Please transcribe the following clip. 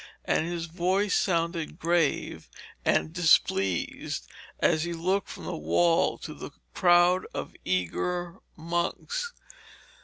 And his voice sounded grave and displeased as he looked from the wall to the crowd of eager monks.